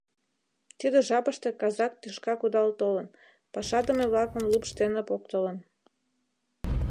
Тиде жапыште казак тӱшка кудал толын, пашадыме-влакым лупш дене поктылын.